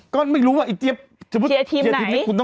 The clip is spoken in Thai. ก็ไม่รู้ว่าไอ้เจี๊ยบเชียร์ทีมไหน